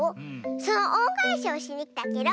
そのおんがえしをしにきたケロ。